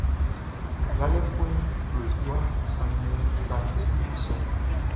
Yalɛfuɛʼn klo i waʼn sanngɛ baʼn simɛn i sôr.